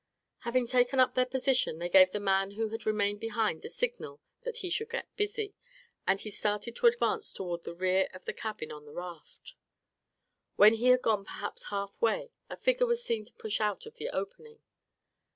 Having taken up their position they gave the man who had remained behind the signal that he should get busy. And he started to advance toward the rear of the cabin on the raft. When he had gone perhaps half way, a figure was seen to push out of the opening.